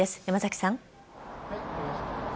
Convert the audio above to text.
山崎さん。